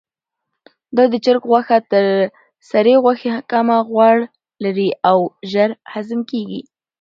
دا د چرګ غوښه تر سرې غوښې کمه غوړ لري او ژر هضم کیږي.